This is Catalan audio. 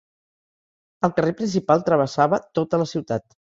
El carrer principal travessava tota la ciutat.